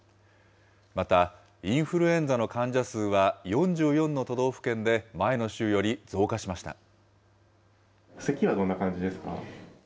また、インフルエンザの患者数は４４の都道府県で、前の週より増加しませきはどんな感じですか？